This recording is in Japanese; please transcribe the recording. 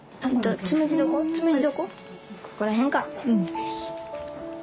よし！